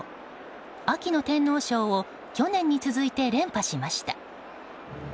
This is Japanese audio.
秋の天皇賞を去年に続いて連覇しました。